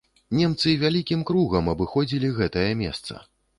Немцы вялікім кругам абыходзілі гэтае месца.